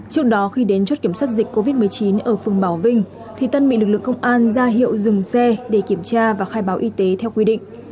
trước đó khi đến chốt kiểm soát dịch covid một mươi chín ở phường bảo vinh thì tân bị lực lượng công an ra hiệu dừng xe để kiểm tra và khai báo y tế theo quy định